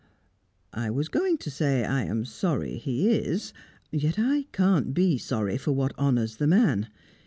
"I was going to say I am sorry he is; yet I can't be sorry for what honours the man.